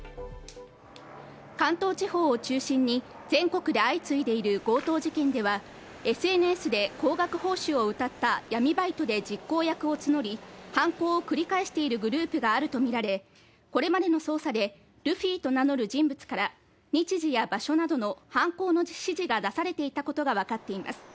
関東地方を中心に全国で相次いでいる強盗事件では、ＳＮＳで高額報酬をうたった闇バイトで実行役を募り、犯行を繰り返しているグループがあるとみられ、これまでの捜査でルフィと名乗る人物から日時や場所などの犯行の指示が出されていたことがわかっています。